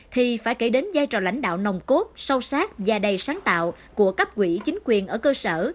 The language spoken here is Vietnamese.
thì phải kể đến giai trò lãnh đạo nồng cốt sâu sát và đầy sáng tạo của cấp quỹ chính quyền ở cơ sở